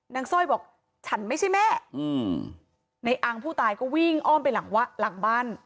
สร้อยบอกฉันไม่ใช่แม่อืมในอังผู้ตายก็วิ่งอ้อมไปหลังบ้าน